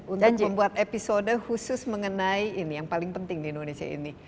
untuk membuat episode khusus mengenai ini yang paling penting di indonesia ini